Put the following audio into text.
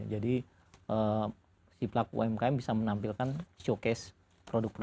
jadi si pelaku umkm bisa menampilkan showcase produk mereka